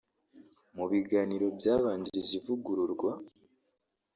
Mu biganiro byabanjirije ivugururwa